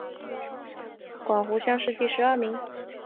湖广乡试第十二名。